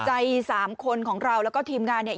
สามคนของเราแล้วก็ทีมงานเนี่ย